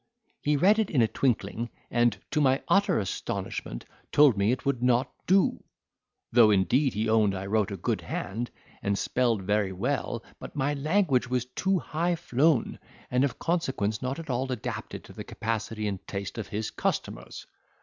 He read it in a twinkling, and, to my utter astonishment, told me it would not do; though indeed he owned I wrote a good hand, and spelled very well, but my language was too high flown, and of consequence not at all adapted to the capacity and taste of his customers.